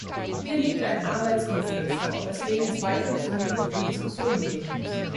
Hier liegt ein Arbeitskonflikt vor, weswegen es weitere Verhandlungen und Diskussionen geben muss.